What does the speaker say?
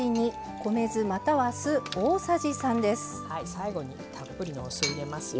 最後にたっぷりのお酢を入れますよ。